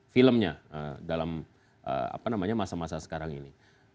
filmnya dalam masa masa sekarang ini